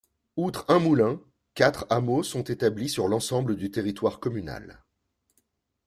Outre un moulin, quatre hameaux sont établis sur l'ensemble du territoire communal.